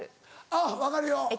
あっ分かるよ